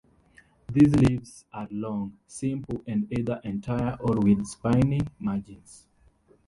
These leaves are long, simple, and either entire, or with spiny margins.